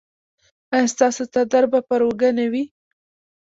ایا ستاسو څادر به پر اوږه نه وي؟